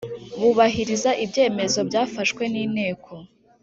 bubahiriza ibyemezo byafashwe n inteko